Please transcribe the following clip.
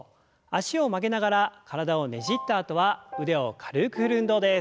脚を曲げながら体をねじったあとは腕を軽く振る運動です。